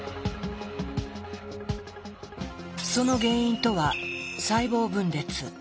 その原因とは細胞分裂。